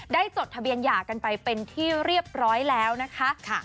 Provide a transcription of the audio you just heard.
จดทะเบียนหย่ากันไปเป็นที่เรียบร้อยแล้วนะคะ